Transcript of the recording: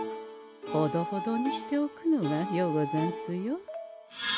ほどほどにしておくのがようござんすよ。